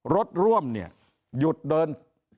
รถร่วมเนี่ยหยุดเดิน